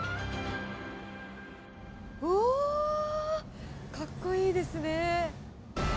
おー、かっこいいですね。